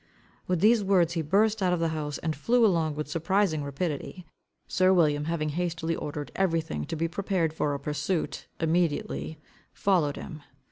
With these words he burst out of the house, and flew along with surprising rapidity. Sir William, having hastily ordered everything to be prepared for a pursuit, immediately followed him.